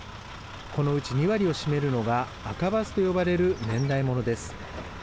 このうち２割を占めるのが赤バスと呼ばれる年代ものです。